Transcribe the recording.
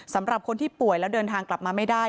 สำหรับคนที่ป่วยแล้วเดินทางกลับมาไม่ได้